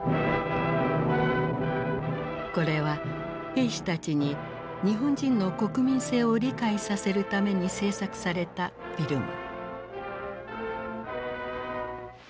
これは兵士たちに日本人の国民性を理解させるために制作されたフィルム。